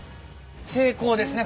成功ですね？